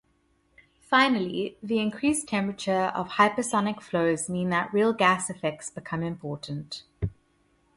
Finally, the increased temperature of hypersonic flows mean that real gas effects become important.